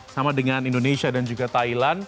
sama dengan indonesia dan juga thailand